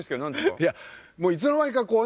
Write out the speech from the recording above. いやもういつの間にかこうね。